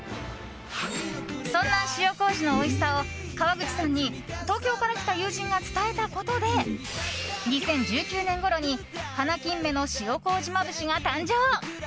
そんな塩麹のおいしさを川口さんに東京から来た友人が伝えたことで２０１９年ごろに華金目の塩麹まぶしが誕生。